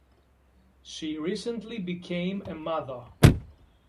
She recently became a mother.